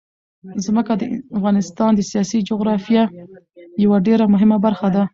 ځمکه د افغانستان د سیاسي جغرافیه یوه ډېره مهمه برخه ده.